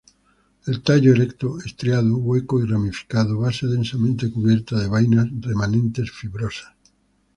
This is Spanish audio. El tallo, erecto, estriado, hueco y ramificado, base densamente cubierta de vainas remanentes fibrosas.